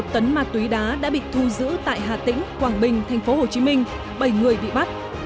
một tấn ma túy đá đã bị thu giữ tại hà tĩnh quảng bình tp hcm bảy người bị bắt